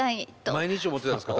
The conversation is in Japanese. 毎日思ってたんですか？